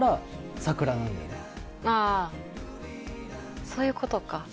あそういうことか。